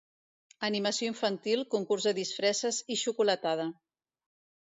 Animació infantil, concurs de disfresses i xocolatada.